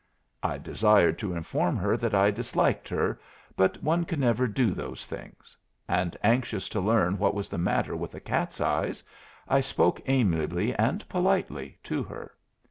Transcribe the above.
I desired to inform her that I disliked her, but one can never do those things; and, anxious to learn what was the matter with the cat's eyes, I spoke amiably and politely to her.